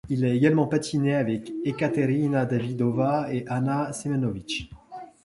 Il a également patiné avec Ekaterina Davydova et Anna Semenovich.